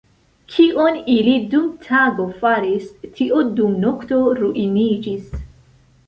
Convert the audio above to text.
Kion ili dum tago faris, tio dum nokto ruiniĝis.